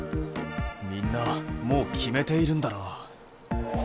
みんなもうきめているんだなぁ。